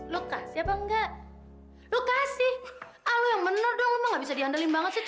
lokasih apa enggak lokasih alu yang bener dong nggak bisa diandalkan banget